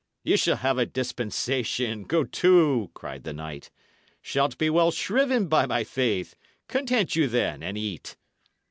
"Ye shall have a dispensation, go to!" cried the knight. "Shalt be well shriven, by my faith! Content you, then, and eat."